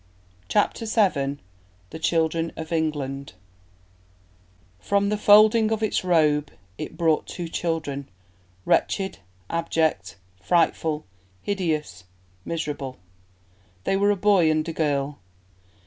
CHAPTER VII: The Children of England "From the folding of its robe, it brought two children; wretched, abject, frightful, hideous, miserable. ... They were a boy and a girl.